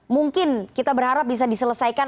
mungkin kita berharap bisa diselesaikan